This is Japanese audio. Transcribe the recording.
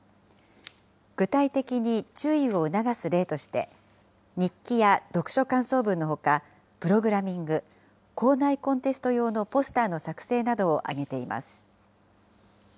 具体的に注意を促す例として、日記や読書感想文のほか、プログラミング、校内コンテスト用のポスターの作成などを挙げています。